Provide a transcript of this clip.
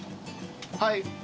はい。